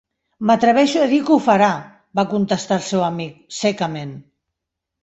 "M'atreveixo a dir que ho farà", va contestar el seu amic, secament.